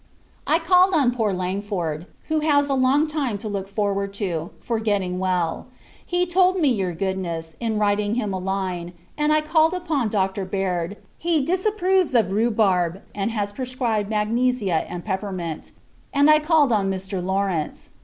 I called on poor Langford; who has a long time to look forward to, for getting well; he told me your goodness, in writing him a line: and I called upon Dr. Baird; he disapproves of rhubarb, and has prescribed magnesia and peppermint: and I called on Mr. Lawrence.